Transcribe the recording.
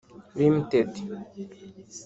Ltd